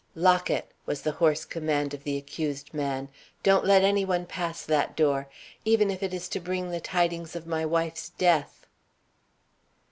"Lock it!" was the hoarse command of the accused man. "Don't let any one pass that door, even if it is to bring the tidings of my wife's death."